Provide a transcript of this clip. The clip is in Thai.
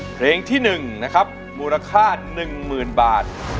เพลงที่หนึ่งนะครับมูลค่าหนึ่งหมื่นบาท